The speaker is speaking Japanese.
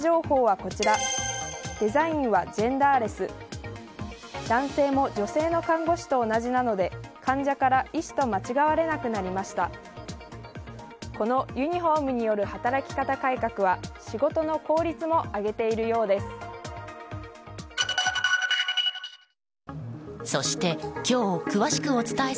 このユニホームによる働き方改革は仕事の効率も上げているようです。